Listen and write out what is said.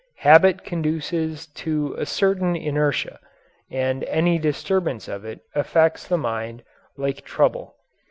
Habit conduces to a certain inertia, and any disturbance of it affects the mind like trouble.